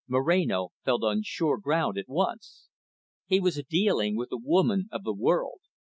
Moreno felt on sure ground at once. He was dealing with a woman of the world.